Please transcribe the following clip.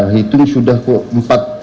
hitung sudah ke empat